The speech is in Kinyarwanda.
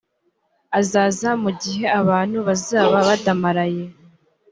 azaza mu gihe abantu bazaba badamaraye